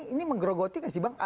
ini menggerogoti gak sih bang